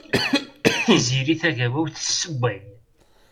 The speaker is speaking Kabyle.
Tiziri Tagawawt tesewway.